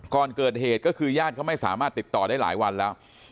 ก่อนเกิดเหตุก็คือญาติเขาไม่สามารถติดต่อได้หลายวันแล้ว